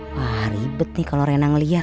wah ribet nih kalo rena ngeliat